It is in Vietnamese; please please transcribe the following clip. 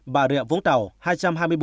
bà rịa vũng tàu hai trăm hai mươi bốn người